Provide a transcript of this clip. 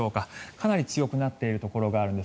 かなり強くなっているところがあるんです。